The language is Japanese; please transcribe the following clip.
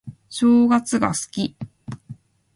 正月が好き